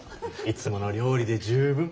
いつもの料理で十分。